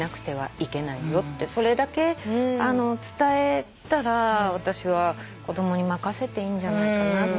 それだけ伝えたら私は子供に任せていいんじゃないかなって。